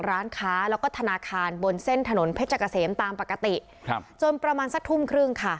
ร้านค้าแล้วก็ธนาคารบนเส้นถนนเพชรเกษมตามปกติครับจนประมาณสักทุ่มครึ่งค่ะ